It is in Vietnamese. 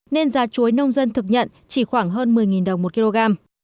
nên giá chuối nông dân thực nhận chỉ khoảng hơn một mươi đồng một kg